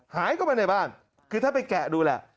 หายเข้าไปในบ้านคือถ้าไปแกะดูแหละ